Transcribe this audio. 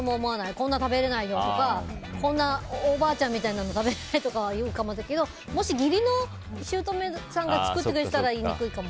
こんな食べれないよとかこんなおばあちゃんみたいなの食べないとかいうかもだけどもし、義理のしゅうとめさんが作ってくれてたら言いにくいかも。